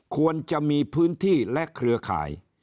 ควรจะมีพื้นที่และเครือข่าย